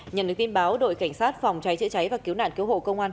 nhận được tin báo đội cảnh sát phòng cháy chữa cháy và cứu nạn cứu hộ công an